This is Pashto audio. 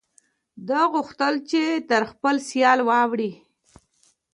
ده غوښتل چې تر خپل سیال یې واړوي.